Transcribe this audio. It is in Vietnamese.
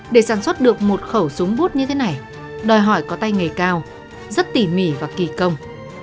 để sản xuất được một khẩu súng bút như thế này đòi hỏi có tay nghề cao rất tỉ mỉ và kỳ công